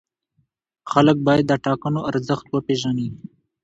خلک باید د ټاکنو ارزښت وپېژني